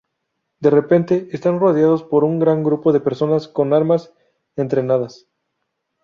De repente están rodeados por un gran grupo de personas, con armas entrenadas.